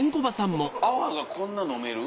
泡がこんな飲める？